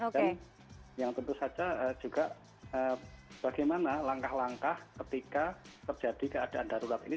dan yang tentu saja juga bagaimana langkah langkah ketika terjadi keadaan darurat ini